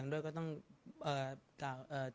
สงฆาตเจริญสงฆาตเจริญ